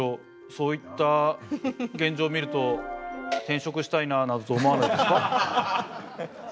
そういった現状を見ると転職したいなあなどと思わないですか？